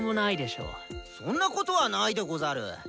そんなことはないでござる！